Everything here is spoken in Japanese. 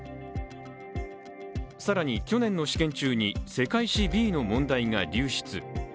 更に、去年の試験中に世界史Ｂの問題が流出。